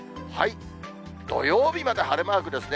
土曜日まで晴れマークですね。